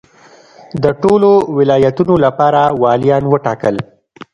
د ټولو ولایتونو لپاره والیان وټاکل.